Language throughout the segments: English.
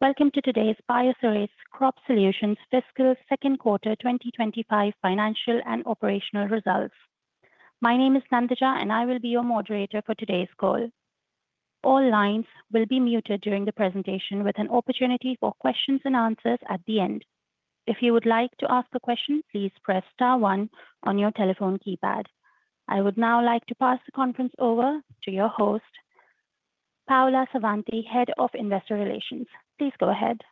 Welcome to today's Bioceres Crop Solutions Fiscal Second Quarter 2025 Financial and Operational Results. My name is Nandija, and I will be your moderator for today's call. All lines will be muted during the presentation, with an opportunity for questions and answers at the end. If you would like to ask a question, please press star one on your telephone keypad. I would now like to pass the conference over to your host, Paula Savanti, Head of Investor Relations. Please go ahead.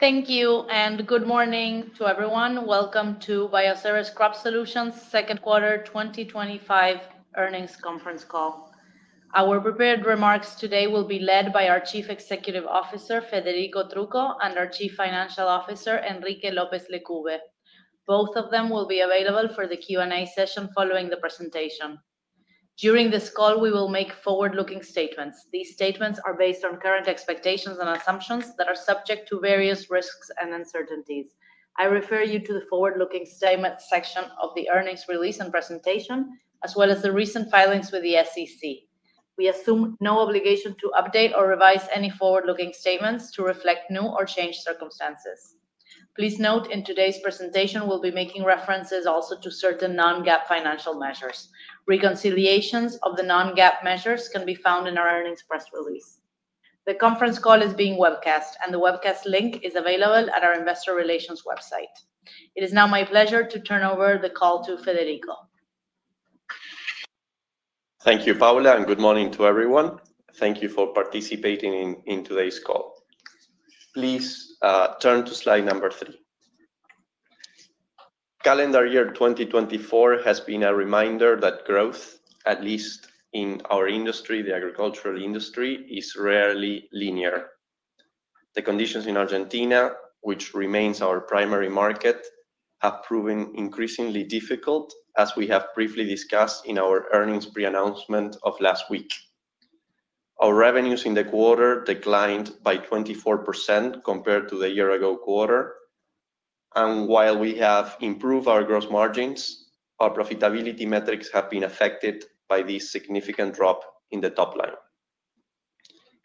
Thank you, and good morning to everyone. Welcome to Bioceres Crop Solutions Second Quarter 2025 Earnings Conference Call. Our prepared remarks today will be led by our Chief Executive Officer, Federico Trucco, and our Chief Financial Officer, Enrique Lopez Lecube. Both of them will be available for the Q&A session following the presentation. During this call, we will make forward-looking statements. These statements are based on current expectations and assumptions that are subject to various risks and uncertainties. I refer you to the forward-looking statement section of the earnings release and presentation, as well as the recent filings with the SEC. We assume no obligation to update or revise any forward-looking statements to reflect new or changed circumstances. Please note that in today's presentation, we will be making references also to certain non-GAAP financial measures. Reconciliations of the non-GAAP measures can be found in our earnings press release. The conference call is being webcast, and the webcast link is available at our Investor Relations website. It is now my pleasure to turn over the call to Federico. Thank you, Paula, and good morning to everyone. Thank you for participating in today's call. Please turn to slide number three. Calendar year 2024 has been a reminder that growth, at least in our industry, the agricultural industry, is rarely linear. The conditions in Argentina, which remains our primary market, have proven increasingly difficult, as we have briefly discussed in our earnings pre-announcement of last week. Our revenues in the quarter declined by 24% compared to the year-ago quarter. While we have improved our gross margins, our profitability metrics have been affected by this significant drop in the top line.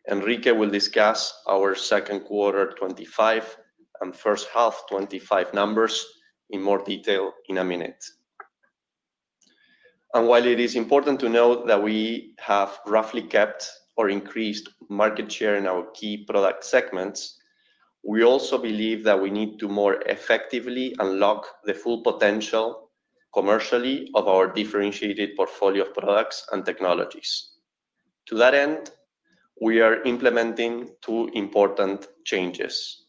Enrique will discuss our second quarter 2025 and first half 2025 numbers in more detail in a minute. While it is important to note that we have roughly kept or increased market share in our key product segments, we also believe that we need to more effectively unlock the full potential commercially of our differentiated portfolio of products and technologies. To that end, we are implementing two important changes.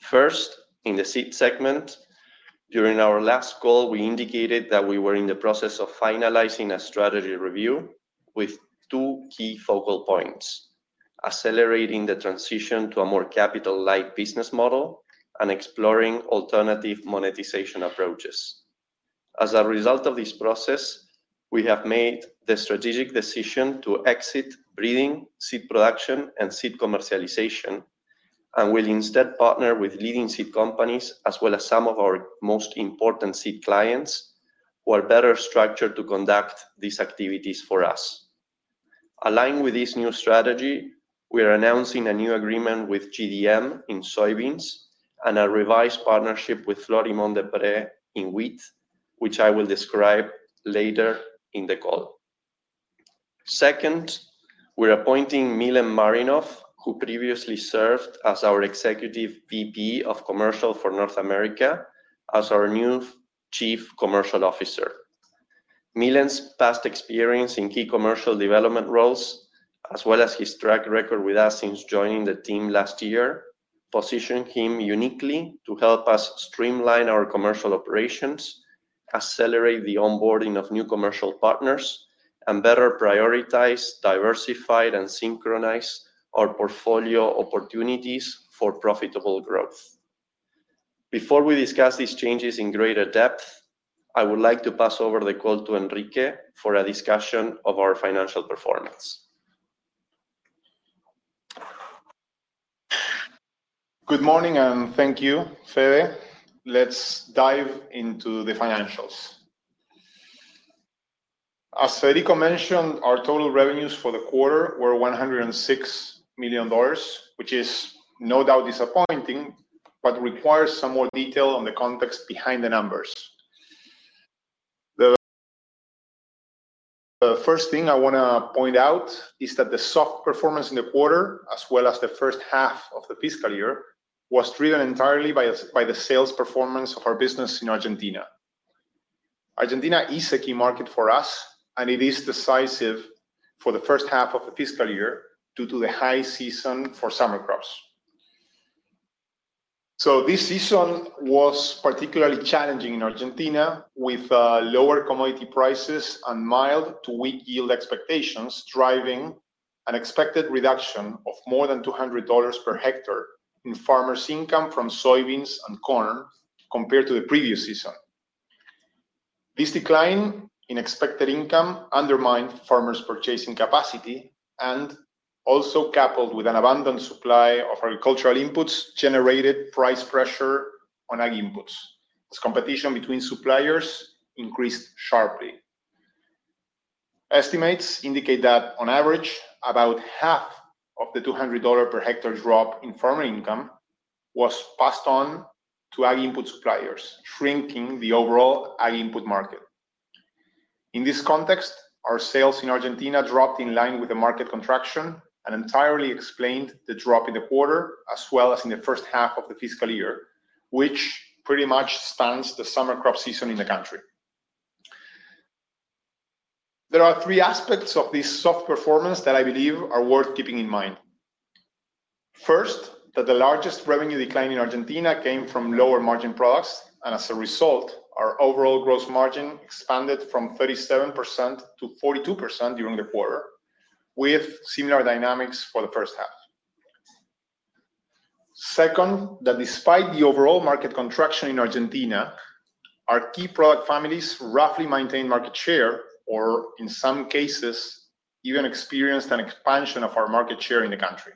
First, in the seed segment, during our last call, we indicated that we were in the process of finalizing a strategy review with two key focal points: accelerating the transition to a more capital-like business model and exploring alternative monetization approaches. As a result of this process, we have made the strategic decision to exit breeding, seed production, and seed commercialization, and will instead partner with leading seed companies, as well as some of our most important seed clients, who are better structured to conduct these activities for us. Aligned with this new strategy, we are announcing a new agreement with GDM in soybeans and a revised partnership with Florimond Desprez in wheat, which I will describe later in the call. Second, we're appointing Milen Marinov, who previously served as our Executive VP of Commercial for North America, as our new Chief Commercial Officer. Milen's past experience in key commercial development roles, as well as his track record with us since joining the team last year, position him uniquely to help us streamline our commercial operations, accelerate the onboarding of new commercial partners, and better prioritize, diversify, and synchronize our portfolio opportunities for profitable growth. Before we discuss these changes in greater depth, I would like to pass over the call to Enrique for a discussion of our financial performance. Good morning, and thank you, Fede. Let's dive into the financials. As Federico mentioned, our total revenues for the quarter were $106 million, which is no doubt disappointing, but requires some more detail on the context behind the numbers. The first thing I want to point out is that the soft performance in the quarter, as well as the first half of the fiscal year, was driven entirely by the sales performance of our business in Argentina. Argentina is a key market for us, and it is decisive for the first half of the fiscal year due to the high season for summer crops. This season was particularly challenging in Argentina, with lower commodity prices and mild to weak yield expectations driving an expected reduction of more than $200 per hectare in farmers' income from soybeans and corn compared to the previous season. This decline in expected income undermined farmers' purchasing capacity and also, coupled with an abundant supply of agricultural inputs, generated price pressure on ag inputs. This competition between suppliers increased sharply. Estimates indicate that, on average, about half of the $200 per hectare drop in farmer income was passed on to ag input suppliers, shrinking the overall ag input market. In this context, our sales in Argentina dropped in line with the market contraction and entirely explained the drop in the quarter, as well as in the first half of the fiscal year, which pretty much spans the summer crop season in the country. There are three aspects of this soft performance that I believe are worth keeping in mind. First, that the largest revenue decline in Argentina came from lower margin products, and as a result, our overall gross margin expanded from 37% to 42% during the quarter, with similar dynamics for the first half. Second, that despite the overall market contraction in Argentina, our key product families roughly maintained market share, or in some cases, even experienced an expansion of our market share in the country.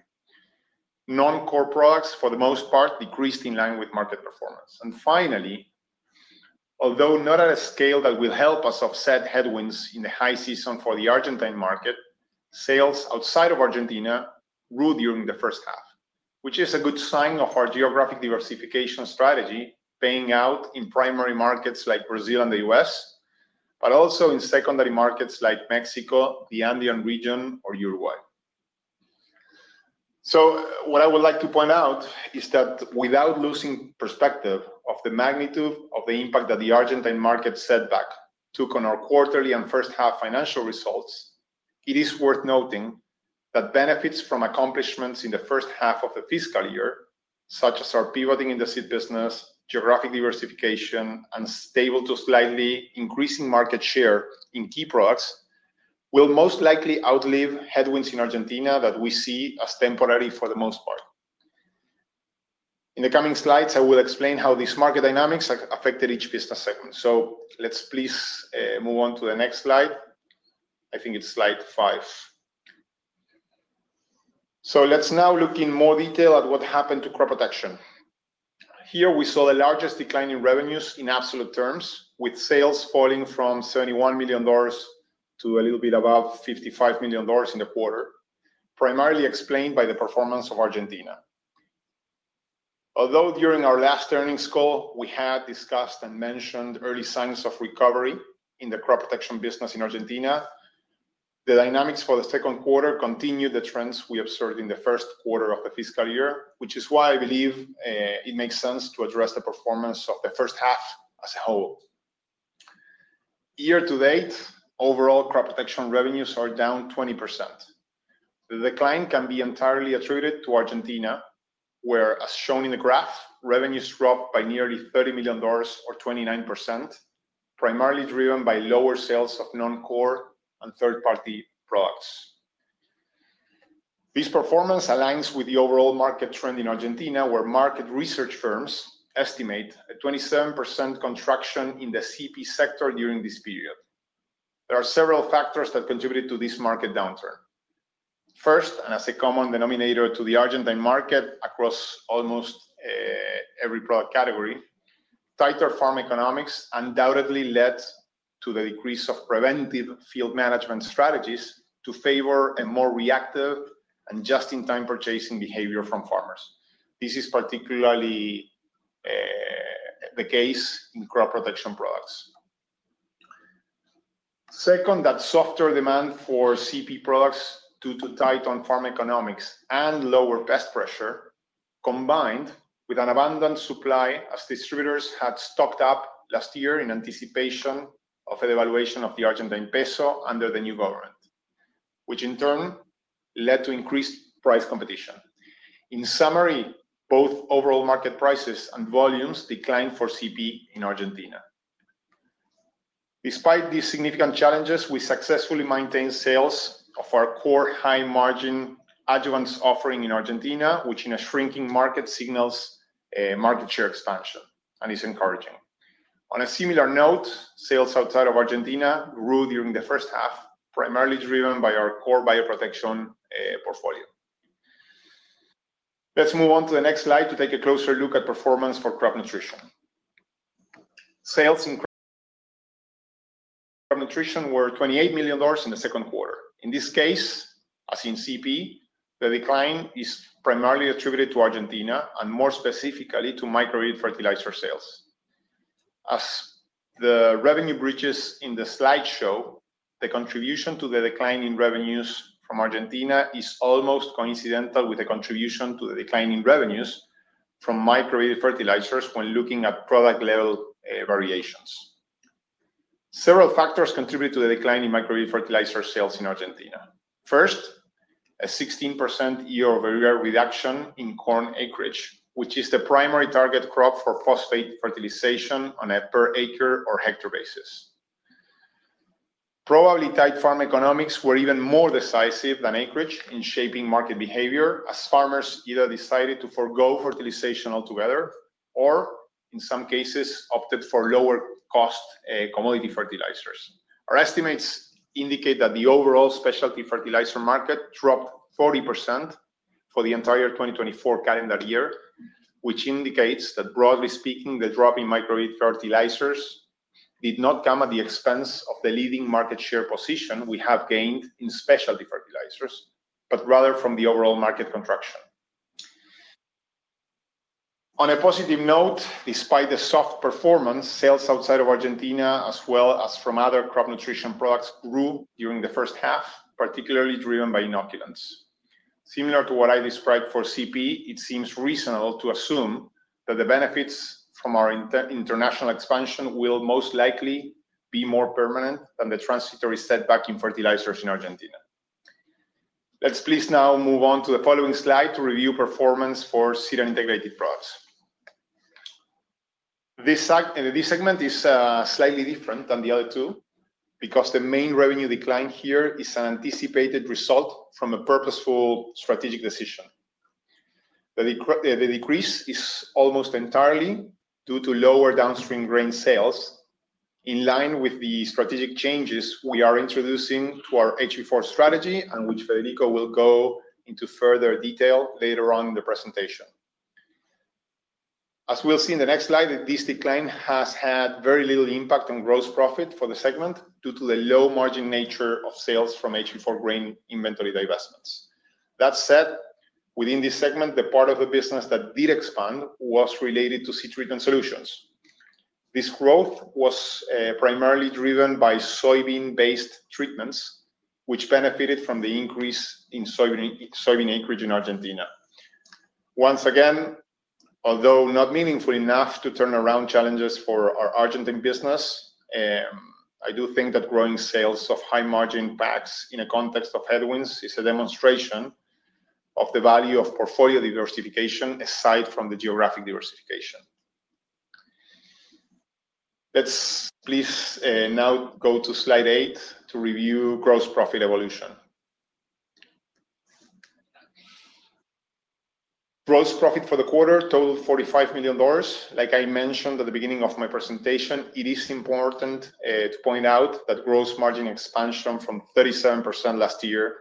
Non-core products, for the most part, decreased in line with market performance. Finally, although not at a scale that will help us offset headwinds in the high season for the Argentine market, sales outside of Argentina grew during the first half, which is a good sign of our geographic diversification strategy paying out in primary markets like Brazil and the U.S., but also in secondary markets like Mexico, the Andean region, or Uruguay. What I would like to point out is that without losing perspective of the magnitude of the impact that the Argentine market setback took on our quarterly and first-half financial results, it is worth noting that benefits from accomplishments in the first half of the fiscal year, such as our pivoting in the seed business, geographic diversification, and stable to slightly increasing market share in key products, will most likely outlive headwinds in Argentina that we see as temporary for the most part. In the coming slides, I will explain how these market dynamics affected each business segment. Let's please move on to the next slide. I think it's slide five. Let's now look in more detail at what happened to crop protection. Here, we saw the largest decline in revenues in absolute terms, with sales falling from $71 million to a little bit above $55 million in the quarter, primarily explained by the performance of Argentina. Although during our last earnings call, we had discussed and mentioned early signs of recovery in the crop protection business in Argentina, the dynamics for the second quarter continued the trends we observed in the first quarter of the fiscal year, which is why I believe it makes sense to address the performance of the first half as a whole. Year to date, overall crop protection revenues are down 20%. The decline can be entirely attributed to Argentina, where, as shown in the graph, revenues dropped by nearly $30 million, or 29%, primarily driven by lower sales of non-core and third-party products. This performance aligns with the overall market trend in Argentina, where market research firms estimate a 27% contraction in the CP sector during this period. There are several factors that contributed to this market downturn. First, and as a common denominator to the Argentine market across almost every product category, tighter farm economics undoubtedly led to the decrease of preventive field management strategies to favor a more reactive and just-in-time purchasing behavior from farmers. This is particularly the case in crop protection products. Second, that softer demand for CP products due to tight on-farm economics and lower pest pressure, combined with an abundant supply as distributors had stocked up last year in anticipation of an evaluation of the Argentine Peso under the new government, which in turn led to increased price competition. In summary, both overall market prices and volumes declined for CP in Argentina. Despite these significant challenges, we successfully maintained sales of our core high-margin adjuvants offering in Argentina, which in a shrinking market signals market share expansion and is encouraging. On a similar note, sales outside of Argentina grew during the first half, primarily driven by our core bioprotection portfolio. Let's move on to the next slide to take a closer look at performance for crop nutrition. Sales in crop nutrition were $28 million in the second quarter. In this case, as in CP, the decline is primarily attributed to Argentina and more specifically to microgreen fertilizer sales. As the revenue bridges in the slide show, the contribution to the decline in revenues from Argentina is almost coincidental with the contribution to the decline in revenues from microgreen fertilizers when looking at product-level variations. Several factors contribute to the decline in microgreen fertilizer sales in Argentina. First, a 16% year-over-year reduction in corn acreage, which is the primary target crop for phosphate fertilization on a per-acre or hectare basis. Probably tight farm economics were even more decisive than acreage in shaping market behavior, as farmers either decided to forgo fertilization altogether or, in some cases, opted for lower-cost commodity fertilizers. Our estimates indicate that the overall specialty fertilizer market dropped 40% for the entire 2024 calendar year, which indicates that, broadly speaking, the drop in microgreen fertilizers did not come at the expense of the leading market share position we have gained in specialty fertilizers, but rather from the overall market contraction. On a positive note, despite the soft performance, sales outside of Argentina, as well as from other crop nutrition products, grew during the first half, particularly driven by inoculants. Similar to what I described for CP, it seems reasonable to assume that the benefits from our international expansion will most likely be more permanent than the transitory setback in fertilizers in Argentina. Let's please now move on to the following slide to review performance for cereal-integrated products. This segment is slightly different than the other two because the main revenue decline here is an anticipated result from a purposeful strategic decision. The decrease is almost entirely due to lower downstream grain sales, in line with the strategic changes we are introducing to our HB4 strategy, and which Federico will go into further detail later on in the presentation. As we'll see in the next slide, this decline has had very little impact on gross profit for the segment due to the low-margin nature of sales from HB4 grain inventory divestments. That said, within this segment, the part of the business that did expand was related to seed treatment solutions. This growth was primarily driven by soybean-based treatments, which benefited from the increase in soybean acreage in Argentina. Once again, although not meaningful enough to turn around challenges for our Argentine business, I do think that growing sales of high-margin packs in a context of headwinds is a demonstration of the value of portfolio diversification aside from the geographic diversification. Let's please now go to slide eight to review gross profit evolution. Gross profit for the quarter totaled $45 million. Like I mentioned at the beginning of my presentation, it is important to point out that gross margin expansion from 37% last year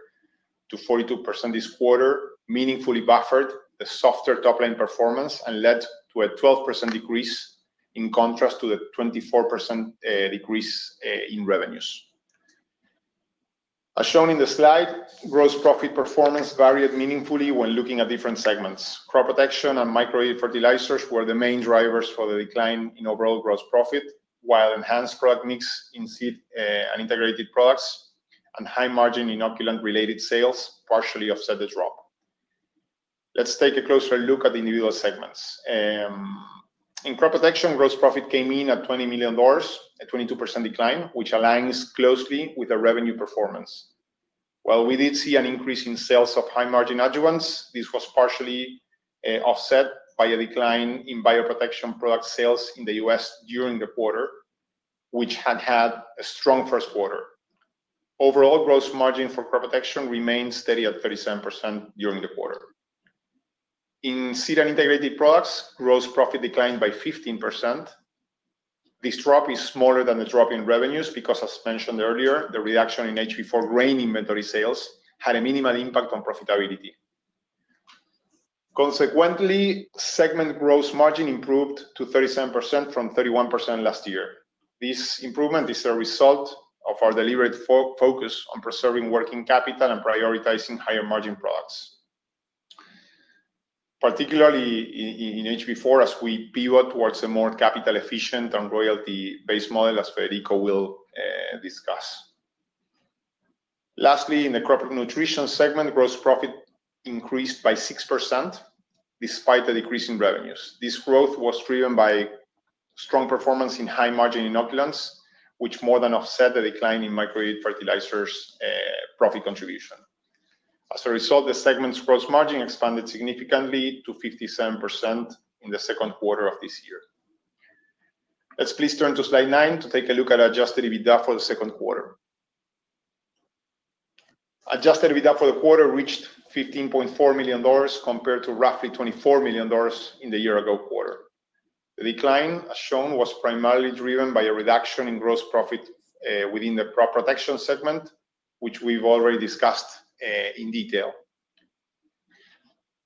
to 42% this quarter meaningfully buffered the softer top-line performance and led to a 12% decrease in contrast to the 24% decrease in revenues. As shown in the slide, gross profit performance varied meaningfully when looking at different segments. Crop protection and microgreen fertilizers were the main drivers for the decline in overall gross profit, while enhanced product mix in seed and integrated products and high-margin inoculant-related sales partially offset the drop. Let's take a closer look at the individual segments. In crop protection, gross profit came in at $20 million, a 22% decline, which aligns closely with the revenue performance. While we did see an increase in sales of high-margin adjuvants, this was partially offset by a decline in bioprotection product sales in the U.S. during the quarter, which had had a strong first quarter. Overall, gross margin for crop protection remained steady at 37% during the quarter. In cereal-integrated products, gross profit declined by 15%. This drop is smaller than the drop in revenues because, as mentioned earlier, the reduction in HB4 grain inventory sales had a minimal impact on profitability. Consequently, segment gross margin improved to 37% from 31% last year. This improvement is a result of our deliberate focus on preserving working capital and prioritizing higher-margin products, particularly in HB4 as we pivot towards a more capital-efficient and royalty-based model, as Federico will discuss. Lastly, in the crop nutrition segment, gross profit increased by 6% despite the decrease in revenues. This growth was driven by strong performance in high-margin inoculants, which more than offset the decline in MicroGreen fertilizers' profit contribution. As a result, the segment's gross margin expanded significantly to 57% in the second quarter of this year. Let's please turn to slide nine to take a look at adjusted EBITDA for the second quarter. Adjusted EBITDA for the quarter reached $15.4 million compared to roughly $24 million in the year-ago quarter. The decline, as shown, was primarily driven by a reduction in gross profit within the crop protection segment, which we've already discussed in detail.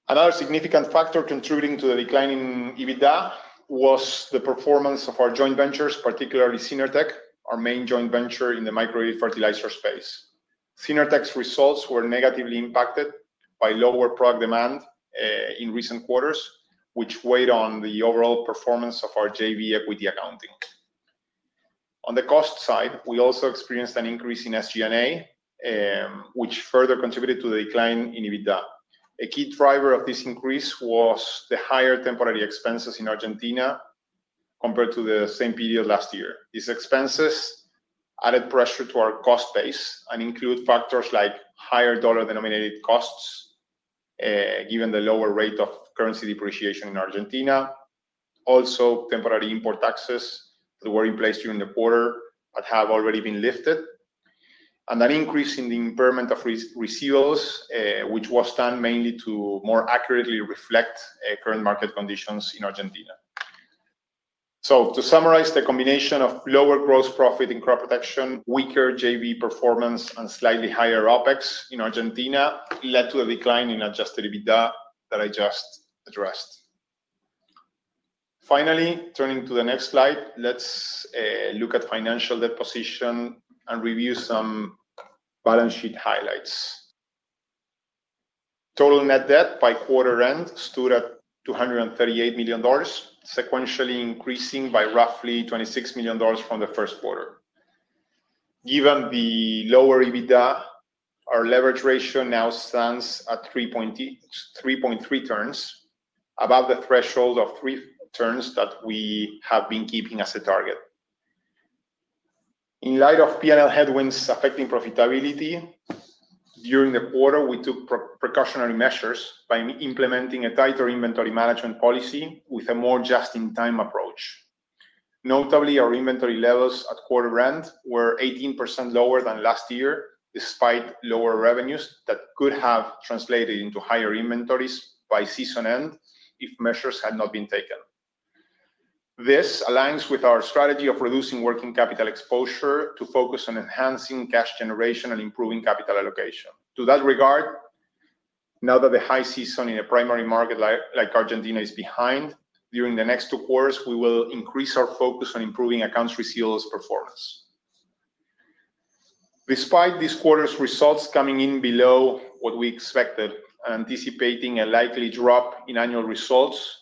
Another significant factor contributing to the decline in EBITDA was the performance of our joint ventures, particularly Synertech, our main joint venture in the MicroGreen fertilizer space. Synertech's results were negatively impacted by lower product demand in recent quarters, which weighed on the overall performance of our JV equity accounting. On the cost side, we also experienced an increase in SG&A, which further contributed to the decline in EBITDA. A key driver of this increase was the higher temporary expenses in Argentina compared to the same period last year. These expenses added pressure to our cost base and include factors like higher dollar-denominated costs given the lower rate of currency depreciation in Argentina, also temporary import taxes that were in place during the quarter but have already been lifted, and an increase in the impairment of receivables, which was done mainly to more accurately reflect current market conditions in Argentina. To summarize, the combination of lower gross profit in crop protection, weaker JV performance, and slightly higher OpEx in Argentina led to the decline in adjusted EBITDA that I just addressed. Finally, turning to the next slide, let's look at financial debt position and review some balance sheet highlights. Total net debt by quarter-end stood at $238 million, sequentially increasing by roughly $26 million from the first quarter. Given the lower EBITDA, our leverage ratio now stands at 3.3 turns, above the threshold of three turns that we have been keeping as a target. In light of P&L headwinds affecting profitability during the quarter, we took precautionary measures by implementing a tighter inventory management policy with a more just-in-time approach. Notably, our inventory levels at quarter-end were 18% lower than last year, despite lower revenues that could have translated into higher inventories by season-end if measures had not been taken. This aligns with our strategy of reducing working capital exposure to focus on enhancing cash generation and improving capital allocation. To that regard, now that the high season in a primary market like Argentina is behind, during the next two quarters, we will increase our focus on improving accounts receivables performance. Despite this quarter's results coming in below what we expected and anticipating a likely drop in annual results,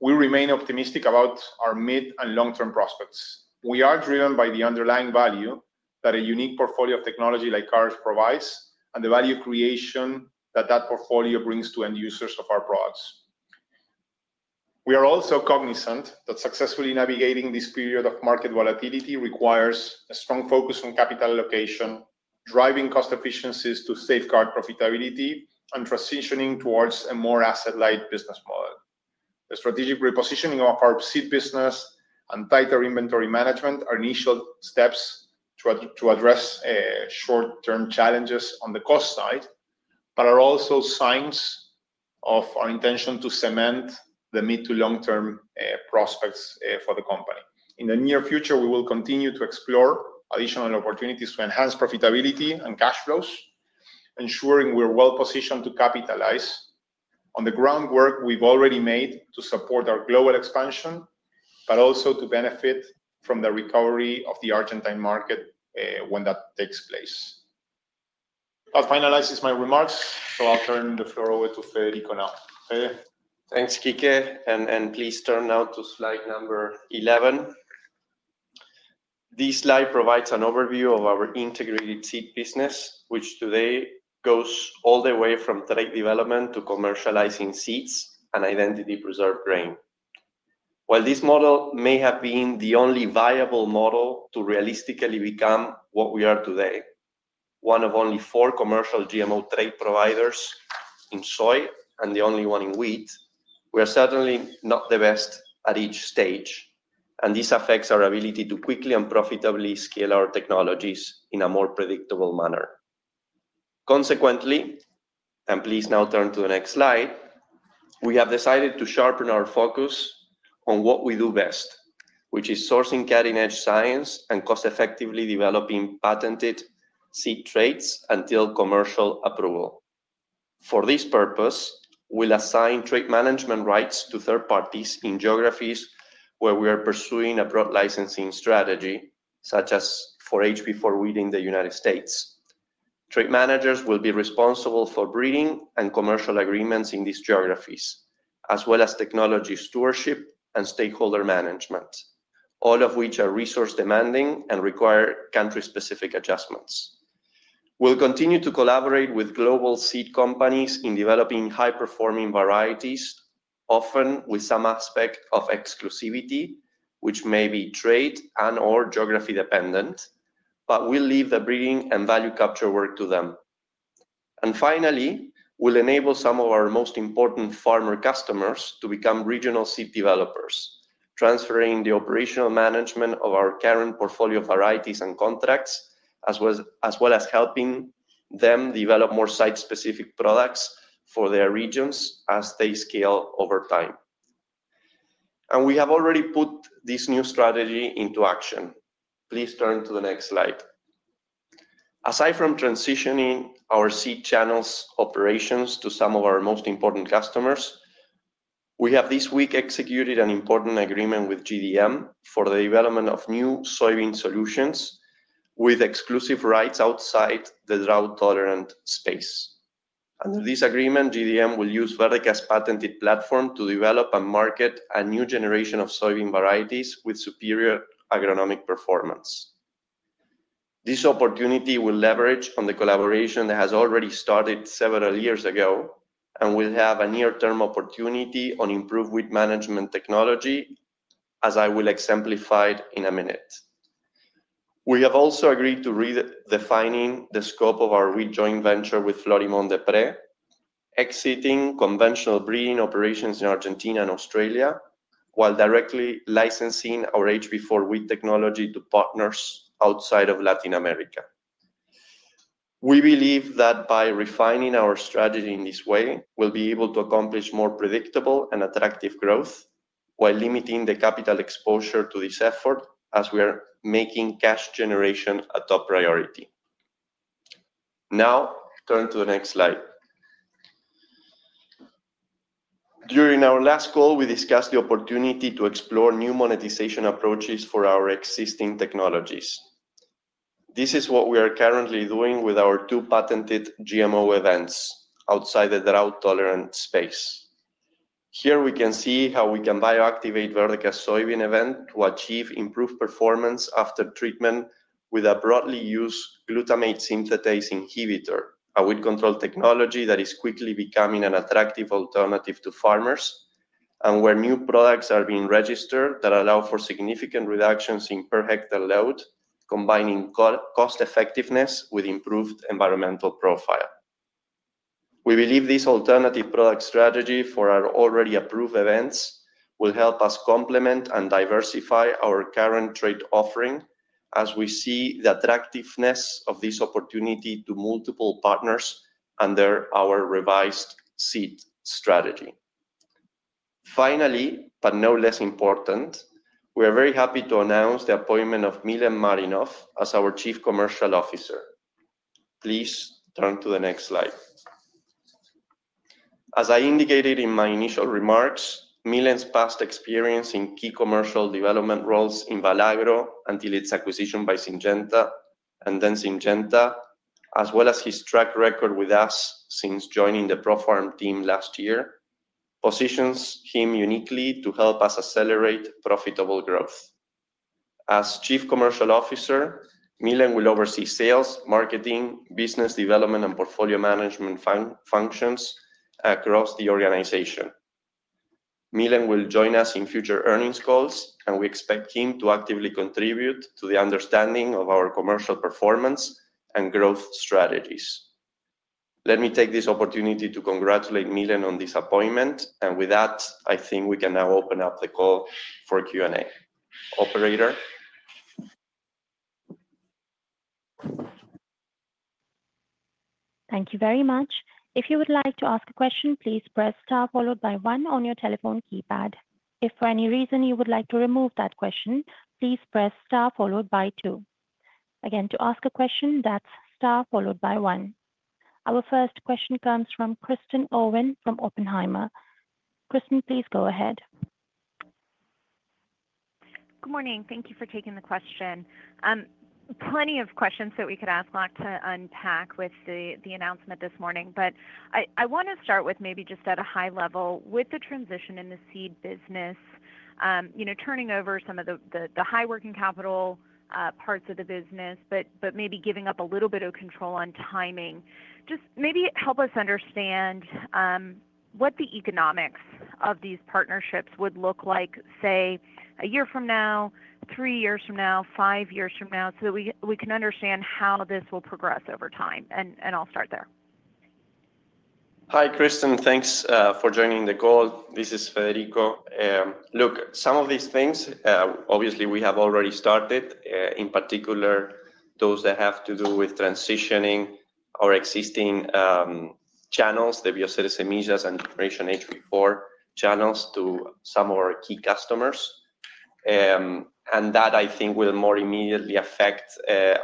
we remain optimistic about our mid and long-term prospects. We are driven by the underlying value that a unique portfolio of technology like ours provides and the value creation that that portfolio brings to end users of our products. We are also cognizant that successfully navigating this period of market volatility requires a strong focus on capital allocation, driving cost efficiencies to safeguard profitability, and transitioning towards a more asset-light business model. The strategic repositioning of our seed business and tighter inventory management are initial steps to address short-term challenges on the cost side, but are also signs of our intention to cement the mid to long-term prospects for the company. In the near future, we will continue to explore additional opportunities to enhance profitability and cash flows, ensuring we're well-positioned to capitalize on the groundwork we've already made to support our global expansion, but also to benefit from the recovery of the Argentine market when that takes place. I'll finalize my remarks, so I'll turn the floor over to Federico now. Thanks, Enrique, and please turn now to slide number 11. This slide provides an overview of our integrated seed business, which today goes all the way from direct development to commercializing seeds and identity-preserved grain. While this model may have been the only viable model to realistically become what we are today, one of only four commercial GMO trait providers in soy and the only one in wheat, we are certainly not the best at each stage, and this affects our ability to quickly and profitably scale our technologies in a more predictable manner. Consequently, and please now turn to the next slide, we have decided to sharpen our focus on what we do best, which is sourcing cutting-edge science and cost-effectively developing patented seed traits until commercial approval. For this purpose, we'll assign trait management rights to third parties in geographies where we are pursuing a product licensing strategy, such as for HB4 wheat in the United States. Trade managers will be responsible for breeding and commercial agreements in these geographies, as well as technology stewardship and stakeholder management, all of which are resource-demanding and require country-specific adjustments. We will continue to collaborate with global seed companies in developing high-performing varieties, often with some aspect of exclusivity, which may be trade and/or geography-dependent, but we will leave the breeding and value capture work to them. Finally, we will enable some of our most important farmer customers to become regional seed developers, transferring the operational management of our current portfolio varieties and contracts, as well as helping them develop more site-specific products for their regions as they scale over time. We have already put this new strategy into action. Please turn to the next slide. Aside from transitioning our seed channels operations to some of our most important customers, we have this week executed an important agreement with GDM for the development of new soybean solutions with exclusive rights outside the drought-tolerant space. Under this agreement, GDM will use Verdeca's patented platform to develop and market a new generation of soybean varieties with superior agronomic performance. This opportunity will leverage on the collaboration that has already started several years ago and will have a near-term opportunity on improved wheat management technology, as I will exemplify it in a minute. We have also agreed to redefine the scope of our wheat joint venture with Florimond Desprez, exiting conventional breeding operations in Argentina and Australia, while directly licensing our HB4 wheat technology to partners outside of Latin America. We believe that by refining our strategy in this way, we'll be able to accomplish more predictable and attractive growth while limiting the capital exposure to this effort, as we are making cash generation a top priority. Now, turn to the next slide. During our last call, we discussed the opportunity to explore new monetization approaches for our existing technologies. This is what we are currently doing with our two patented GMO events outside the drought-tolerant space. Here, we can see how we can bioactivate Verdeca's soybean event to achieve improved performance after treatment with a broadly used glutamate synthetase inhibitor, a weed control technology that is quickly becoming an attractive alternative to farmers, and where new products are being registered that allow for significant reductions in per-hectare load, combining cost-effectiveness with improved environmental profile. We believe this alternative product strategy for our already approved events will help us complement and diversify our current trade offering as we see the attractiveness of this opportunity to multiple partners under our revised seed strategy. Finally, but no less important, we are very happy to announce the appointment of Milen Marinov as our Chief Commercial Officer. Please turn to the next slide. As I indicated in my initial remarks, Milen's past experience in key commercial development roles in Valagro until its acquisition by Syngenta, and then Syngenta, as well as his track record with us since joining the ProFarm team last year, positions him uniquely to help us accelerate profitable growth. As Chief Commercial Officer, Milen will oversee sales, marketing, business development, and portfolio management functions across the organization. Milen will join us in future earnings calls, and we expect him to actively contribute to the understanding of our commercial performance and growth strategies. Let me take this opportunity to congratulate Milen on this appointment, and with that, I think we can now open up the call for Q&A. Operator. Thank you very much. If you would like to ask a question, please press star followed by one on your telephone keypad. If for any reason you would like to remove that question, please press star followed by two. Again, to ask a question, that's star followed by one. Our first question comes from Kristen Owen from Oppenheimer. Kristen, please go ahead. Good morning. Thank you for taking the question. Plenty of questions that we could ask to unpack with the announcement this morning, but I want to start with maybe just at a high level, with the transition in the seed business, turning over some of the high working capital parts of the business, but maybe giving up a little bit of control on timing. Just maybe help us understand what the economics of these partnerships would look like, say, a year from now, three years from now, five years from now, so that we can understand how this will progress over time, and I'll start there. Hi, Kristen. Thanks for joining the call. This is Federico. Look, some of these things, obviously, we have already started, in particular, those that have to do with transitioning our existing channels, the Bioceres Semillas and regional HB4 channels to some of our key customers. That, I think, will more immediately affect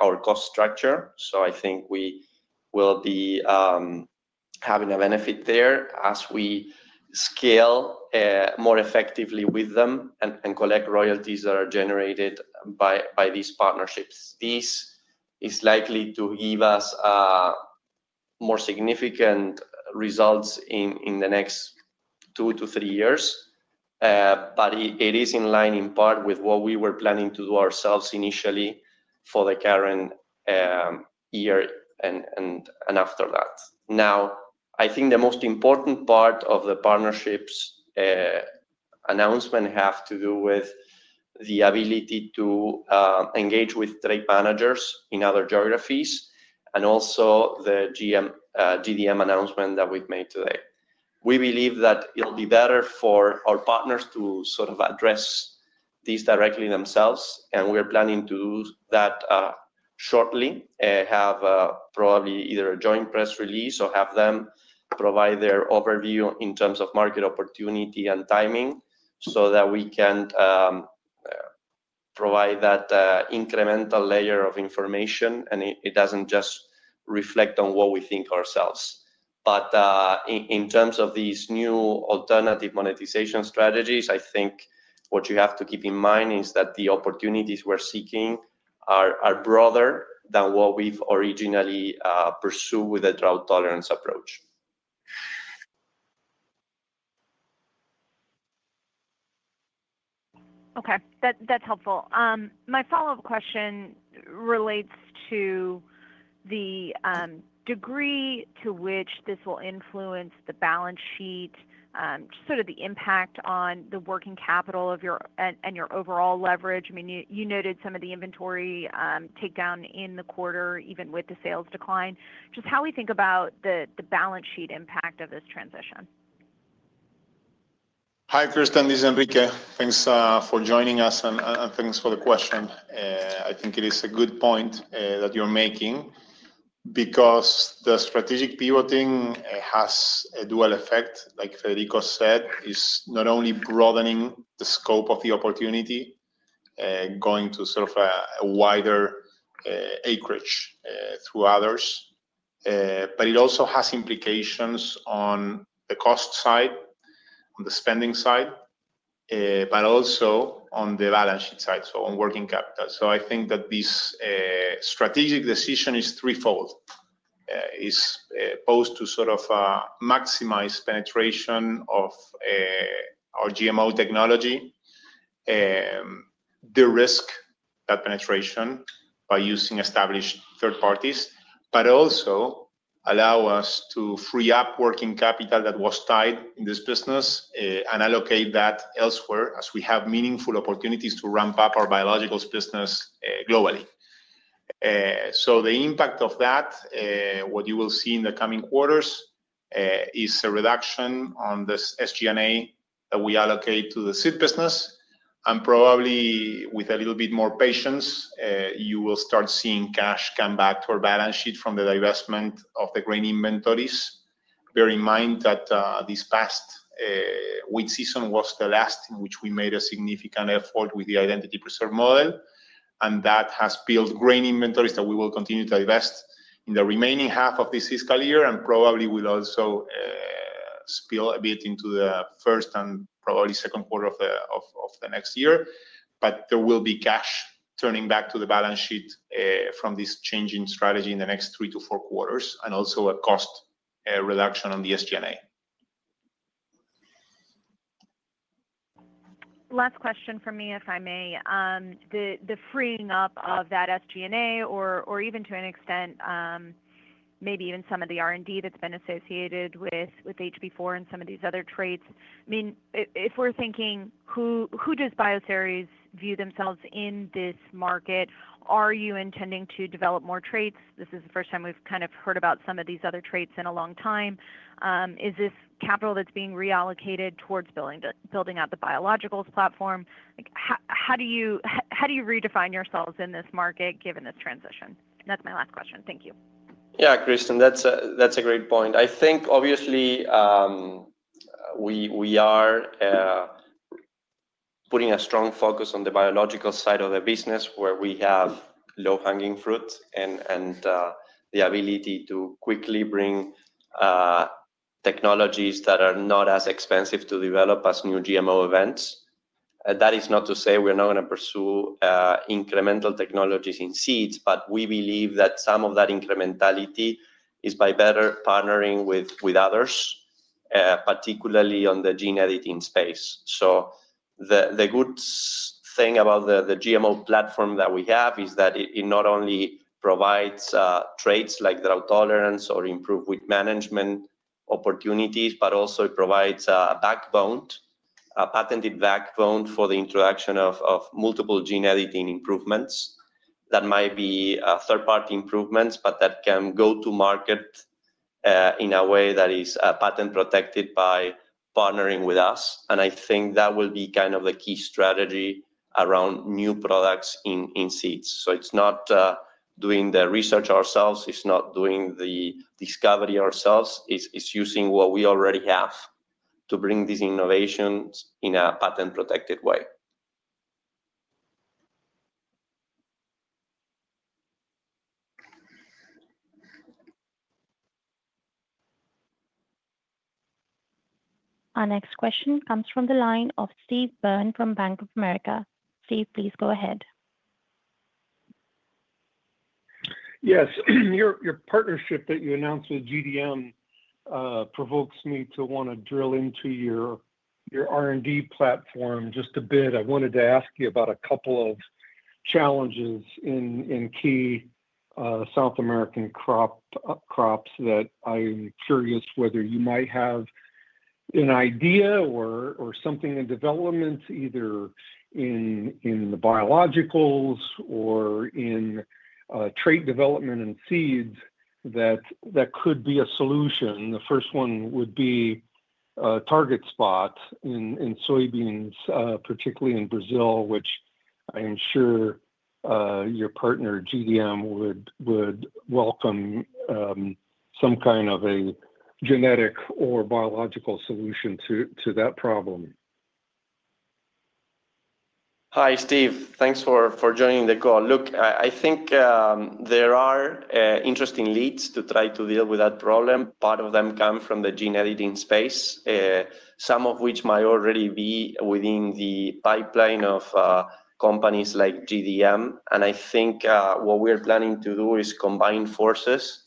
our cost structure. I think we will be having a benefit there as we scale more effectively with them and collect royalties that are generated by these partnerships. This is likely to give us more significant results in the next two to three years, but it is in line in part with what we were planning to do ourselves initially for the current year and after that. I think the most important part of the partnership's announcement has to do with the ability to engage with trade managers in other geographies and also the GDM announcement that we've made today. We believe that it'll be better for our partners to sort of address these directly themselves, and we're planning to do that shortly, have probably either a joint press release or have them provide their overview in terms of market opportunity and timing so that we can provide that incremental layer of information, and it doesn't just reflect on what we think ourselves. In terms of these new alternative monetization strategies, I think what you have to keep in mind is that the opportunities we're seeking are broader than what we've originally pursued with the drought-tolerance approach. Okay. That's helpful. My follow-up question relates to the degree to which this will influence the balance sheet, just sort of the impact on the working capital and your overall leverage. I mean, you noted some of the inventory takedown in the quarter, even with the sales decline. Just how we think about the balance sheet impact of this transition. Hi, Kristen. This is Enrique. Thanks for joining us, and thanks for the question. I think it is a good point that you're making because the strategic pivoting has a dual effect. Like Federico said, it's not only broadening the scope of the opportunity, going to sort of a wider acreage through others, but it also has implications on the cost side, on the spending side, but also on the balance sheet side, so on working capital. I think that this strategic decision is threefold. It's supposed to sort of maximize penetration of our GMO technology, the risk. That penetration by using established third parties, but also allow us to free up working capital that was tied in this business and allocate that elsewhere as we have meaningful opportunities to ramp up our biologicals business globally. The impact of that, what you will see in the coming quarters, is a reduction on this SG&A that we allocate to the seed business. Probably with a little bit more patience, you will start seeing cash come back to our balance sheet from the divestment of the grain inventories. Bear in mind that this past wheat season was the last in which we made a significant effort with the identity-preserved model, and that has built grain inventories that we will continue to divest in the remaining half of this fiscal year and probably will also spill a bit into the first and probably second quarter of the next year. There will be cash turning back to the balance sheet from this changing strategy in the next three to four quarters and also a cost reduction on the SG&A. Last question for me, if I may. The freeing up of that SG&A or even to an extent, maybe even some of the R&D that's been associated with HB4 and some of these other traits. I mean, if we're thinking, who does Bioceres view themselves in this market? Are you intending to develop more traits? This is the first time we've kind of heard about some of these other traits in a long time. Is this capital that's being reallocated towards building out the biologicals platform? How do you redefine yourselves in this market given this transition? That's my last question. Thank you. Yeah, Kristen, that's a great point. I think, obviously, we are putting a strong focus on the biological side of the business where we have low-hanging fruit and the ability to quickly bring technologies that are not as expensive to develop as new GMO events. That is not to say we're not going to pursue incremental technologies in seeds, but we believe that some of that incrementality is by better partnering with others, particularly on the gene editing space. The good thing about the GMO platform that we have is that it not only provides traits like drought tolerance or improved wheat management opportunities, but also it provides a patented backbone for the introduction of multiple gene editing improvements that might be third-party improvements, but that can go to market in a way that is patent-protected by partnering with us. I think that will be kind of the key strategy around new products in seeds. It is not doing the research ourselves. It is not doing the discovery ourselves. It is using what we already have to bring these innovations in a patent-protected way. Our next question comes from the line of Steve Byrne from Bank of America. Steve, please go ahead. Yes. Your partnership that you announced with GDM provokes me to want to drill into your R&D platform just a bit. I wanted to ask you about a couple of challenges in key South American crops that I'm curious whether you might have an idea or something in development, either in the biologicals or in trait development and seeds, that could be a solution. The first one would be target spot in soybeans, particularly in Brazil, which I am sure your partner, GDM, would welcome some kind of a genetic or biological solution to that problem. Hi, Steve. Thanks for joining the call. Look, I think there are interesting leads to try to deal with that problem. Part of them come from the gene editing space, some of which might already be within the pipeline of companies like GDM. I think what we're planning to do is combine forces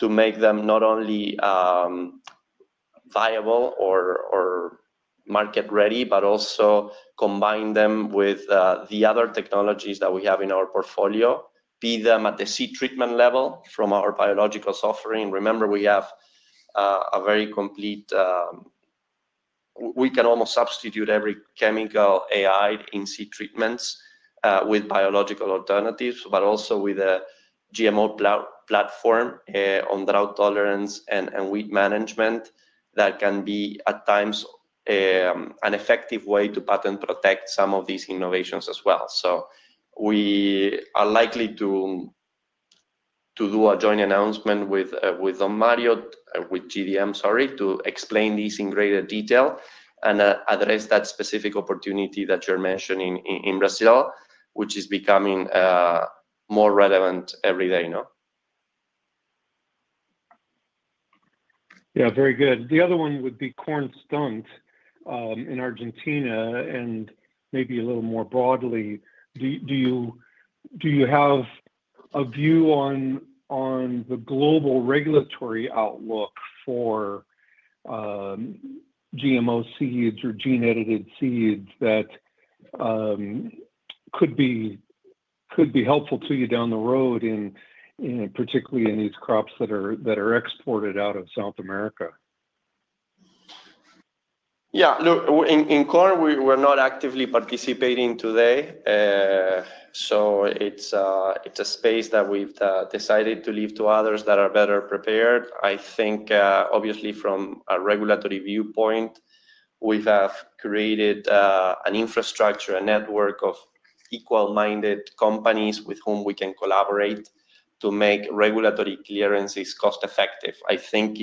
to make them not only viable or market-ready, but also combine them with the other technologies that we have in our portfolio, be them at the seed treatment level from our biologicals offering. Remember, we have a very complete, we can almost substitute every chemical AI in seed treatments with biological alternatives, but also with a GMO platform on drought tolerance and wheat management that can be, at times, an effective way to patent-protect some of these innovations as well. We are likely to do a joint announcement with GDM, sorry, to explain these in greater detail and address that specific opportunity that you're mentioning in Brazil, which is becoming more relevant every day. Yeah, very good. The other one would be corn stunt in Argentina and maybe a little more broadly. Do you have a view on the global regulatory outlook for GMO seeds or gene-edited seeds that could be helpful to you down the road, particularly in these crops that are exported out of South America? Yeah. Look, in corn, we're not actively participating today. It's a space that we've decided to leave to others that are better prepared. I think, obviously, from a regulatory viewpoint, we have created an infrastructure, a network of equal-minded companies with whom we can collaborate to make regulatory clearances cost-effective. I think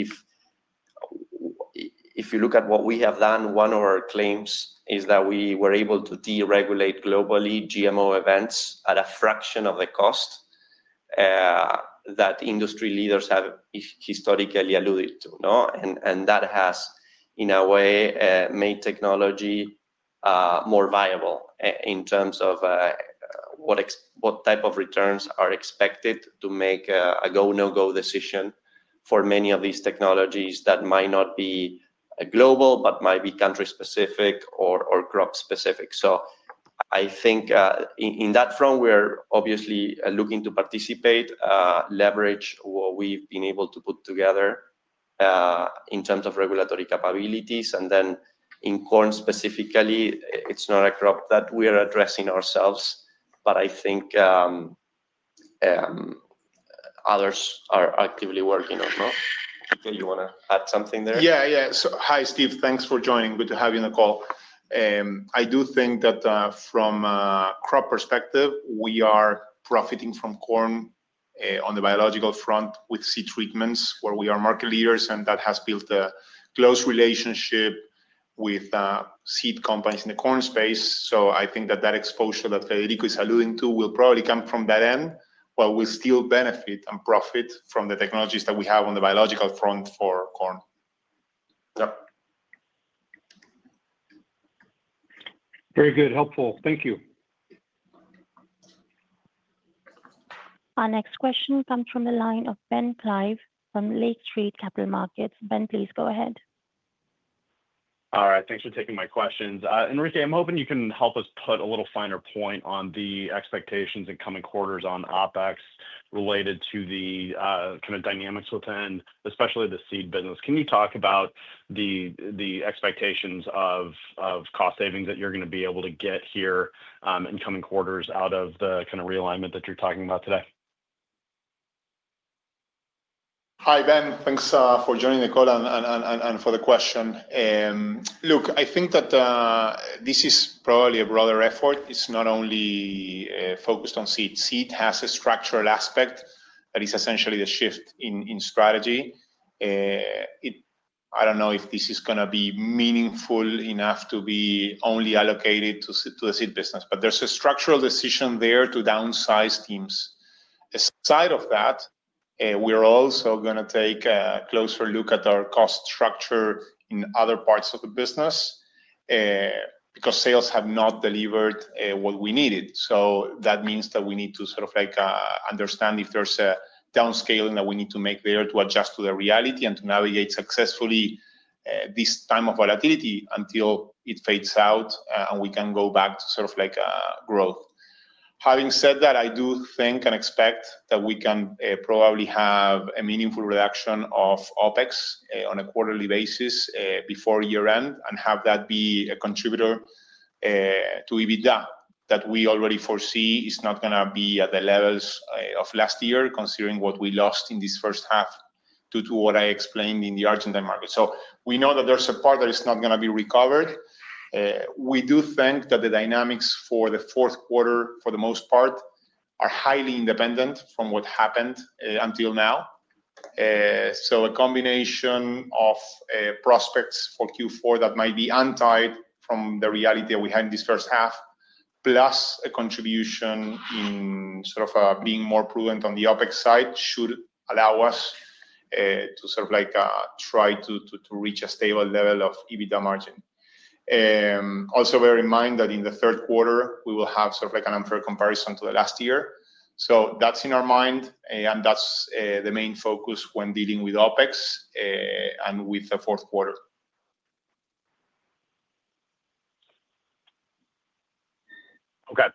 if you look at what we have done, one of our claims is that we were able to deregulate globally GMO events at a fraction of the cost that industry leaders have historically alluded to. That has, in a way, made technology more viable in terms of what type of returns are expected to make a go-no-go decision for many of these technologies that might not be global but might be country-specific or crop-specific. I think in that front, we're obviously looking to participate, leverage what we've been able to put together in terms of regulatory capabilities. In corn specifically, it's not a crop that we're addressing ourselves, but I think others are actively working on. Enrique, you want to add something there? Yeah, yeah. Hi, Steve. Thanks for joining. Good to have you on the call. I do think that from a crop perspective, we are profiting from corn on the biological front with seed treatments where we are market leaders, and that has built a close relationship with seed companies in the corn space. I think that that exposure that Federico is alluding to will probably come from that end, but we'll still benefit and profit from the technologies that we have on the biological front for corn. Very good. Helpful. Thank you. Our next question comes from the line of Ben Klieve from Lake Street Capital Markets. Ben, please go ahead. All right. Thanks for taking my questions. Enrique, I'm hoping you can help us put a little finer point on the expectations in coming quarters on OpEx related to the kind of dynamics within, especially the seed business. Can you talk about the expectations of cost savings that you're going to be able to get here in coming quarters out of the kind of realignment that you're talking about today? Hi, Ben. Thanks for joining the call and for the question. Look, I think that this is probably a broader effort. It's not only focused on seeds. Seed has a structural aspect that is essentially the shift in strategy. I don't know if this is going to be meaningful enough to be only allocated to the seed business, but there's a structural decision there to downsize teams. Aside of that, we're also going to take a closer look at our cost structure in other parts of the business because sales have not delivered what we needed. That means that we need to sort of understand if there's a downscaling that we need to make there to adjust to the reality and to navigate successfully this time of volatility until it fades out and we can go back to sort of growth. Having said that, I do think and expect that we can probably have a meaningful reduction of OpEx on a quarterly basis before year-end and have that be a contributor to EBITDA that we already foresee is not going to be at the levels of last year, considering what we lost in this first half due to what I explained in the Argentine market. We know that there's a part that is not going to be recovered. We do think that the dynamics for the fourth quarter, for the most part, are highly independent from what happened until now. A combination of prospects for Q4 that might be untied from the reality that we had in this first half, plus a contribution in sort of being more prudent on the OpEx side, should allow us to sort of try to reach a stable level of EBITDA margin. Also bear in mind that in the third quarter, we will have sort of an unfair comparison to last year. That is in our mind, and that is the main focus when dealing with OpEx and with the fourth quarter. Okay.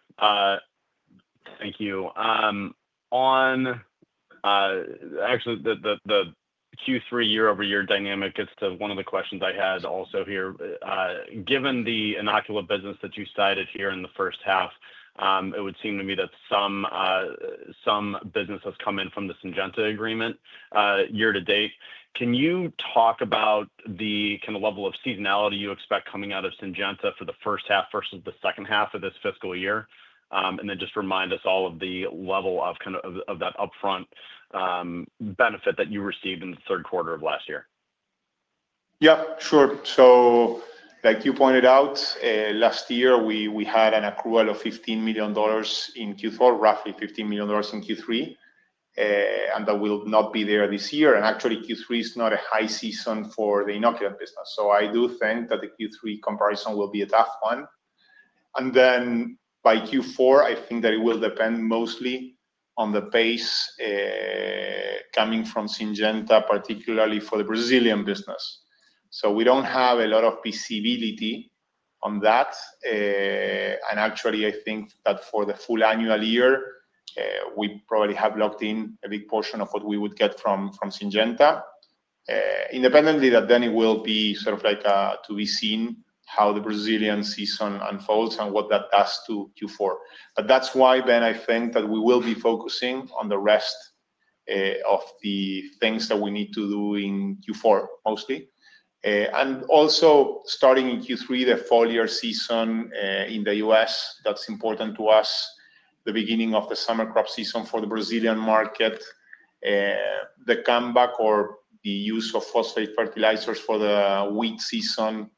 Thank you. Actually, the Q3 year-over-year dynamic is one of the questions I had also here. Given the inoculant business that you cited here in the first half, it would seem to me that some business has come in from the Syngenta agreement year to date. Can you talk about the kind of level of seasonality you expect coming out of Syngenta for the first half versus the second half of this fiscal year? And then just remind us all of the level of that upfront benefit that you received in the third quarter of last year. Yep. Sure. Like you pointed out, last year, we had an accrual of $15 million in Q4, roughly $15 million in Q3, and that will not be there this year. Actually, Q3 is not a high season for the inoculant business. I do think that the Q3 comparison will be a tough one. By Q4, I think that it will depend mostly on the pace coming from Syngenta, particularly for the Brazilian business. We do not have a lot of visibility on that. Actually, I think that for the full annual year, we probably have locked in a big portion of what we would get from Syngenta. Independently, it will be sort of to be seen how the Brazilian season unfolds and what that does to Q4. That is why, Ben, I think that we will be focusing on the rest of the things that we need to do in Q4, mostly. Also, starting in Q3, the foliar season in the U.S., that is important to us, the beginning of the summer crop season for the Brazilian market, the comeback or the use of phosphate fertilizers for the wheat season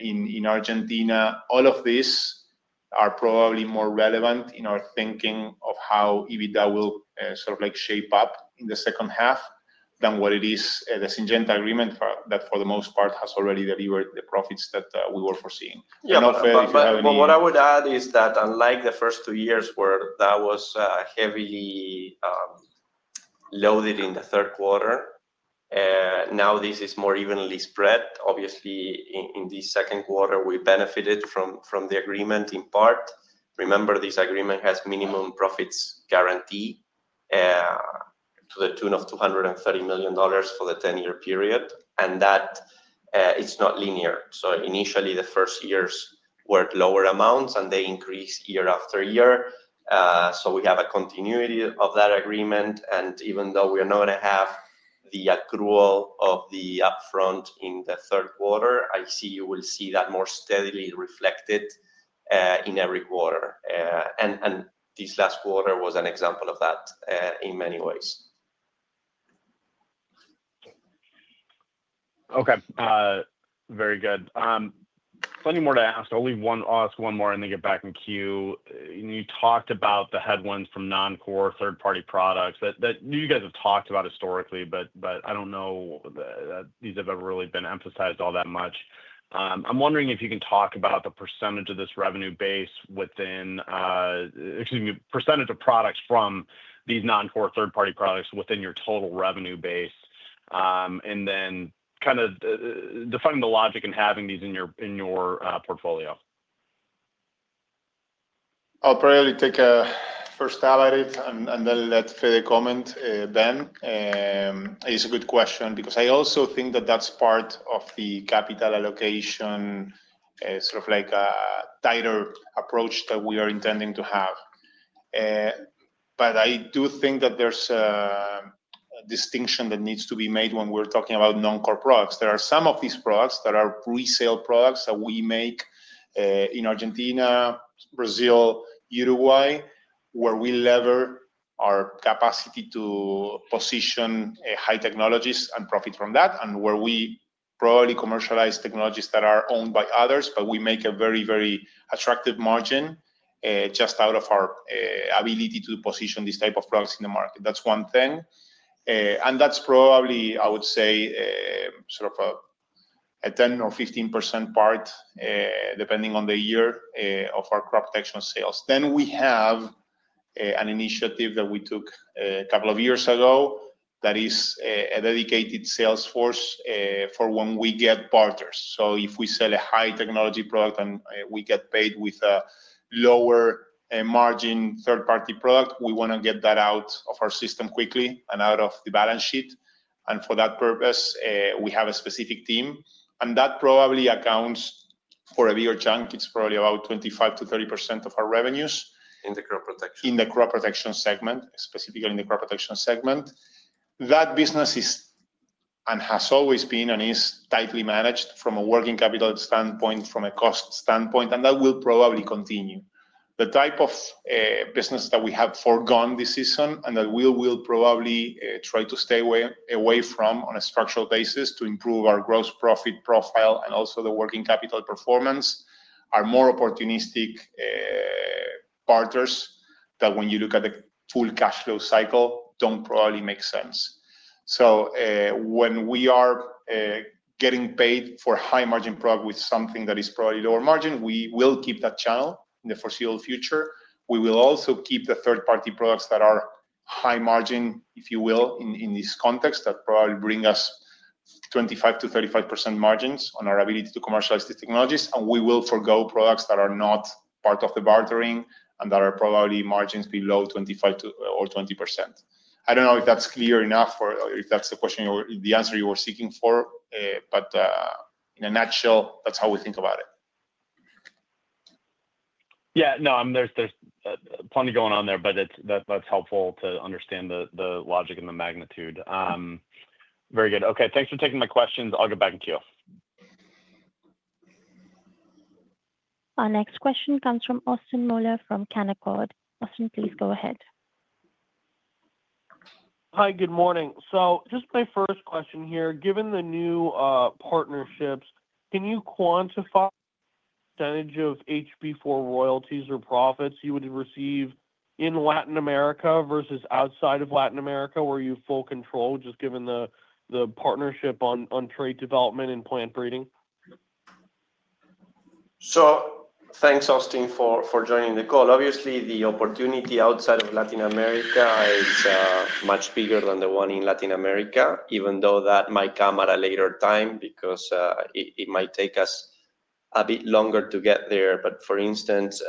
in Argentina. All of these are probably more relevant in our thinking of how EBITDA will sort of shape up in the second half than what it is, the Syngenta agreement that, for the most part, has already delivered the profits that we were foreseeing. I do not know if you have any— Yeah. What I would add is that unlike the first two years where that was heavily loaded in the third quarter, now this is more evenly spread. Obviously, in this second quarter, we benefited from the agreement in part. Remember, this agreement has minimum profits guarantee to the tune of $230 million for the 10-year period. It is not linear. Initially, the first years were lower amounts, and they increased year after year. We have a continuity of that agreement. Even though we are not going to have the accrual of the upfront in the third quarter, I see you will see that more steadily reflected in every quarter. This last quarter was an example of that in many ways. Okay. Very good. Plenty more to ask. I'll ask one more and then get back in queue. You talked about the headwinds from non-core third-party products that you guys have talked about historically, but I don't know that these have ever really been emphasized all that much. I'm wondering if you can talk about the percentage of this revenue base within, excuse me, percentage of products from these non-core third-party products within your total revenue base, and then kind of defining the logic in having these in your portfolio. I'll probably take a first stab at it, and then let Frede comment, Ben. It's a good question because I also think that that's part of the capital allocation, sort of like a tighter approach that we are intending to have. I do think that there's a distinction that needs to be made when we're talking about non-core products. There are some of these products that are presale products that we make in Argentina, Brazil, Uruguay, where we lever our capacity to position high technologies and profit from that, and where we probably commercialize technologies that are owned by others, but we make a very, very attractive margin just out of our ability to position these types of products in the market. That is one thing. That is probably, I would say, sort of a 10%-15% part, depending on the year, of our crop protection sales. We have an initiative that we took a couple of years ago that is a dedicated sales force for when we get barters. If we sell a high-technology product and we get paid with a lower-margin third-party product, we want to get that out of our system quickly and out of the balance sheet. For that purpose, we have a specific team. That probably accounts for a bigger chunk. It's probably about 25-30% of our revenues In the crop protection. In the crop protection segment, specifically in the crop protection segment. That business is and has always been and is tightly managed from a working capital standpoint, from a cost standpoint, and that will probably continue. The type of business that we have foregone this season and that we will probably try to stay away from on a structural basis to improve our gross profit profile and also the working capital performance are more opportunistic barters that when you look at the full cash flow cycle, do not probably make sense. When we are getting paid for high-margin product with something that is probably lower margin, we will keep that channel in the foreseeable future. We will also keep the third-party products that are high margin, if you will, in this context that probably bring us 25-35% margins on our ability to commercialize these technologies. We will forgo products that are not part of the bartering and that are probably margins below 25% or 20%. I do not know if that is clear enough or if that is the answer you were seeking for, but in a nutshell, that is how we think about it. Yeah. No, there is plenty going on there, but that is helpful to understand the logic and the magnitude. Very good. Okay. Thanks for taking my questions. I will get back in queue. Our next question comes from Austin Moeller from Canaccord. Austin, please go ahead. Hi, good morning. Just my first question here. Given the new partnerships, can you quantify the percentage of HB4 royalties or profits you would receive in Latin America versus outside of Latin America? Were you full control just given the partnership on trait development and plant breeding? Thanks, Austin, for joining the call. Obviously, the opportunity outside of Latin America is much bigger than the one in Latin America, even though that might come at a later time because it might take us a bit longer to get there. For instance,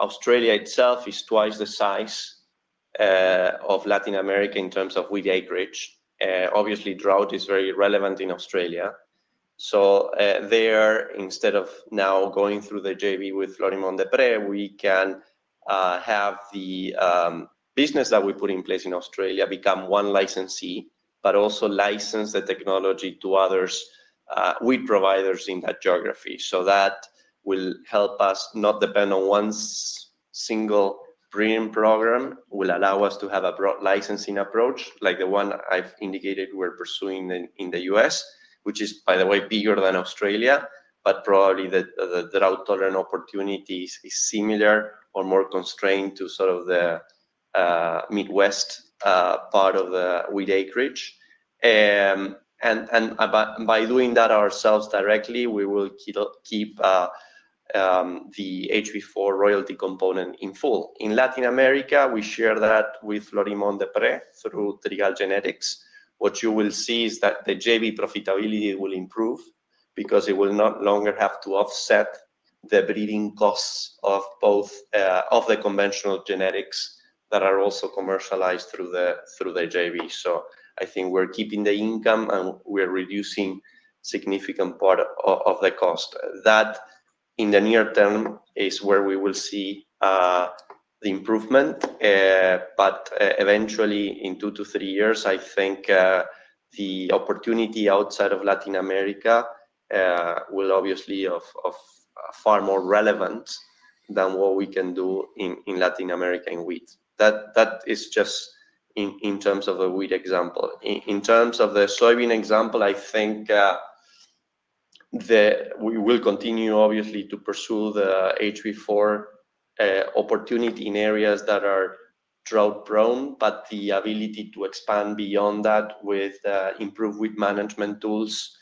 Australia itself is twice the size of Latin America in terms of wheat acreage. Obviously, drought is very relevant in Australia. There, instead of now going through the JV with Florimond Desprez, we can have the business that we put in place in Australia become one licensee, but also license the technology to other wheat providers in that geography. That will help us not depend on one single breeding program. It will allow us to have a broad licensing approach, like the one I've indicated we're pursuing in the U.S., which is, by the way, bigger than Australia, but probably the drought-tolerant opportunities are similar or more constrained to sort of the Midwest part of the wheat acreage. By doing that ourselves directly, we will keep the HB4 royalty component in full. In Latin America, we share that with Florimond Desprez through Trigall Genetics. What you will see is that the JB profitability will improve because it will no longer have to offset the breeding costs of both of the conventional genetics that are also commercialized through the JB. I think we're keeping the income and we're reducing a significant part of the cost. That, in the near term, is where we will see the improvement. Eventually, in two to three years, I think the opportunity outside of Latin America will obviously be far more relevant than what we can do in Latin America in wheat. That is just in terms of the wheat example. In terms of the soybean example, I think we will continue, obviously, to pursue the HB4 opportunity in areas that are drought-prone, but the ability to expand beyond that with improved wheat management tools,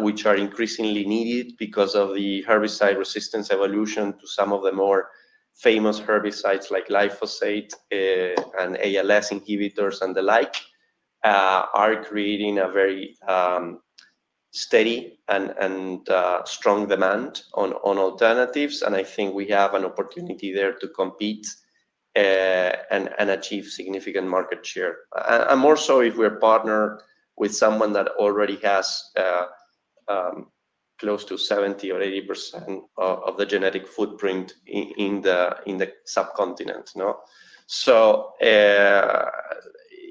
which are increasingly needed because of the herbicide resistance evolution to some of the more famous herbicides like glyphosate and ALS inhibitors and the like, are creating a very steady and strong demand on alternatives. I think we have an opportunity there to compete and achieve significant market share. More so, if we're partnered with someone that already has close to 70-80% of the genetic footprint in the subcontinent.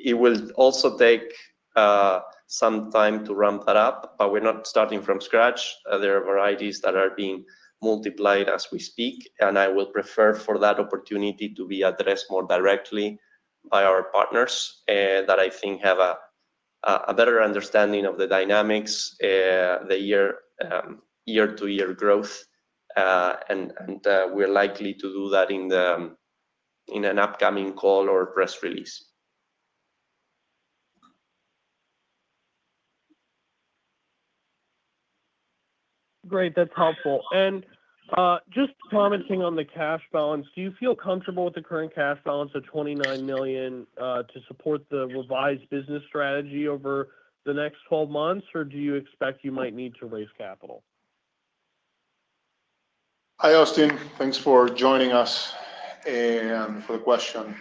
It will also take some time to ramp that up, but we're not starting from scratch. There are varieties that are being multiplied as we speak, and I would prefer for that opportunity to be addressed more directly by our partners that I think have a better understanding of the dynamics, the year-to-year growth, and we're likely to do that in an upcoming call or press release. Great. That's helpful. Just commenting on the cash balance, do you feel comfortable with the current cash balance of $29 million to support the revised business strategy over the next 12 months, or do you expect you might need to raise capital? Hi, Austin. Thanks for joining us and for the question.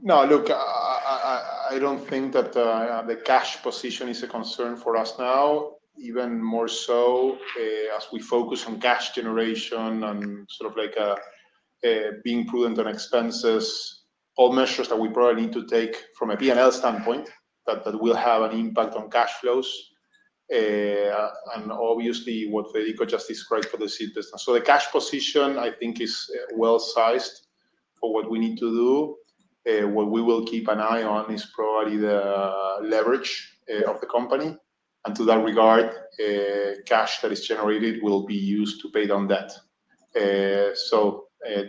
No, look, I don't think that the cash position is a concern for us now, even more so as we focus on cash generation and sort of being prudent on expenses, all measures that we probably need to take from a P&L standpoint that will have an impact on cash flows. Obviously, what Freddie just described for this business. The cash position, I think, is well-sized for what we need to do. What we will keep an eye on is probably the leverage of the company. To that regard, cash that is generated will be used to pay down debt.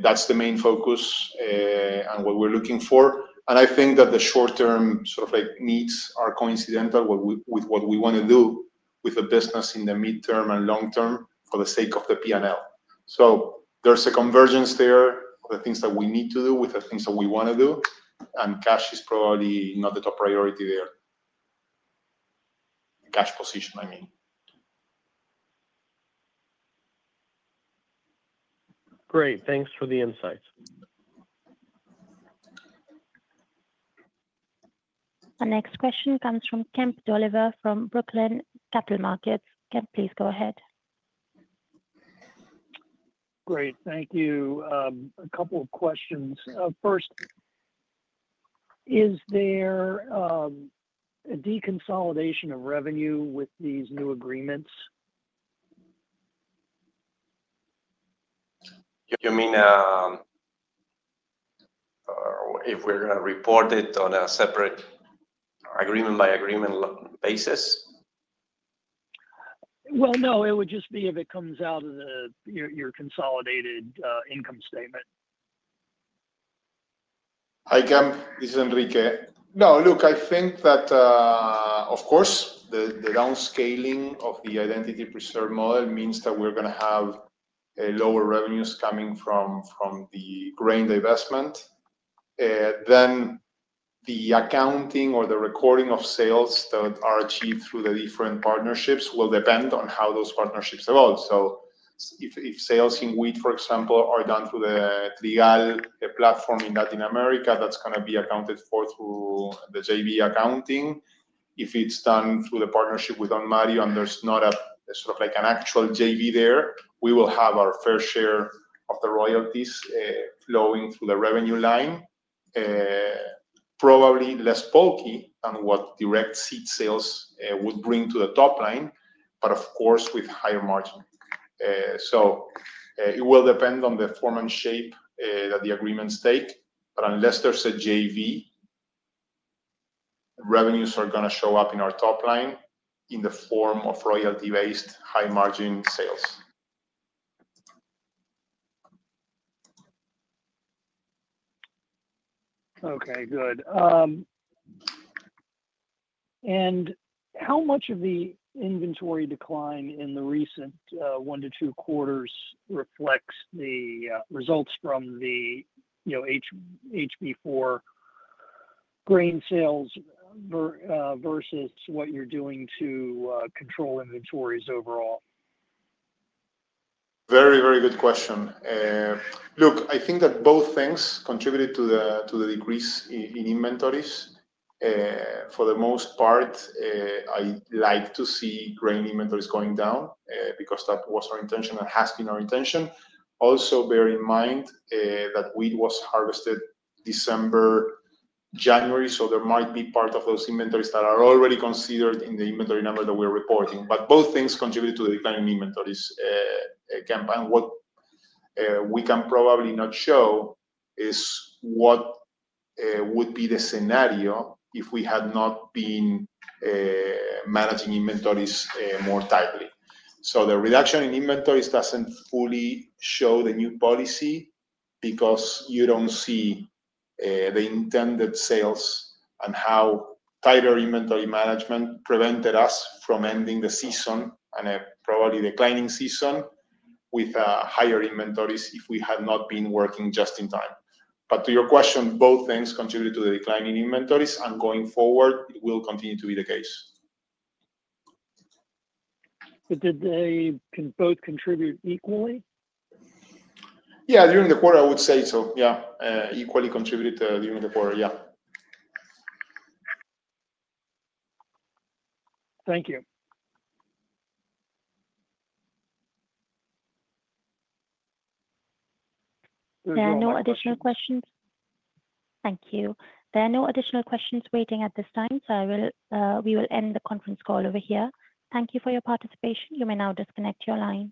That's the main focus and what we're looking for. I think that the short-term sort of needs are coincidental with what we want to do with the business in the midterm and long term for the sake of the P&L. There is a convergence there of the things that we need to do with the things that we want to do. Cash is probably not the top priority there. Cash position, I mean. Great. Thanks for the insights. Our next question comes from Kemp Dolliver from Brookline Capital Markets. Kemp, please go ahead. Great. Thank you. A couple of questions. First, is there a deconsolidation of revenue with these new agreements? You mean if we are going to report it on a separate agreement-by-agreement basis? No, it would just be if it comes out of your consolidated income statement. Hi, Kemp. This is Enrique. No, I think that, of course, the downscaling of the identity preserve model means that we are going to have lower revenues coming from the grain divestment. The accounting or the recording of sales that are achieved through the different partnerships will depend on how those partnerships evolve. If sales in wheat, for example, are done through the Trigall platform in Latin America, that is going to be accounted for through the JV accounting. If it is done through the partnership with Don Mario, and there is not sort of like an actual JV there, we will have our fair share of the royalties flowing through the revenue line, probably less bulky than what direct seed sales would bring to the top line, but of course, with higher margin. It will depend on the form and shape that the agreements take. Unless there is a JV, revenues are going to show up in our top line in the form of royalty-based high-margin sales. Okay. Good. How much of the inventory decline in the recent one to two quarters reflects the results from the HB4 grain sales versus what you are doing to control inventories overall? Very, very good question. Look, I think that both things contributed to the decrease in inventories. For the most part, I like to see grain inventories going down because that was our intention and has been our intention. Also, bear in mind that wheat was harvested December, January, so there might be part of those inventories that are already considered in the inventory number that we are reporting. Both things contribute to the declining inventories, Kemp. What we can probably not show is what would be the scenario if we had not been managing inventories more tightly. The reduction in inventories does not fully show the new policy because you do not see the intended sales and how tighter inventory management prevented us from ending the season and probably declining season with higher inventories if we had not been working just in time. To your question, both things contribute to the declining inventories. Going forward, it will continue to be the case. Did they both contribute equally? Yeah. During the quarter, I would say so. Yeah. Equally contributed during the quarter. Yeah. Thank you. There is no additional questions? Thank you. There are no additional questions waiting at this time, so we will end the conference call over here. Thank you for your participation. You may now disconnect your line.